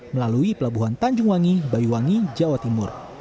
melalui pelabuhan tanjung wangi banyuwangi jawa timur